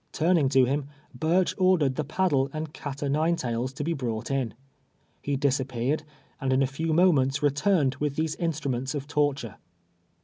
Turning to him, Burch ordered the paddle and cat o' ninetails to l)e hrought in. lie disap])ear ed, and in a few moments returned with these in struments of torture.